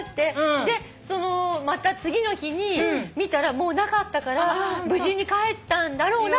でまた次の日に見たらもうなかったから無事に返ったんだろうなと勝手に思って。